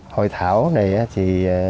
hội thảo này thì